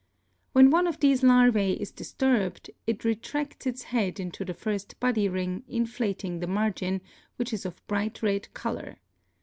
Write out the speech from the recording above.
When one of these larvae is disturbed "it retracts its head into the first body ring inflating the margin, which is of bright red color.